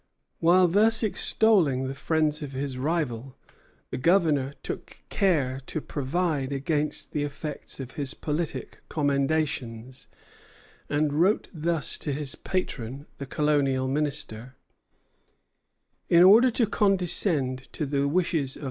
While thus extolling the friends of his rival, the Governor took care to provide against the effects of his politic commendations, and wrote thus to his patron, the Colonial Minister: "In order to condescend to the wishes of M.